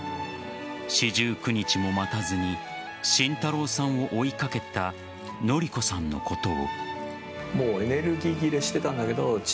四十九日も待たずに慎太郎さんを追いかけた典子さんのことを。